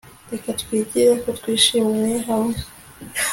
Reka twigire ko twishimye hamwe